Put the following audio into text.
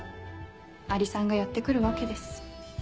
アリさんがやって来るわけです。